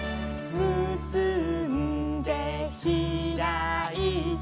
「むすんでひらいて」